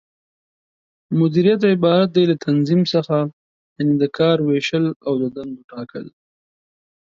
مديريت عبارت دى له تنظيم څخه، یعنې د کار وېشل او د دندو ټاکل